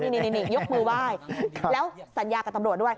นี่ยกมือไหว้แล้วสัญญากับตำรวจด้วย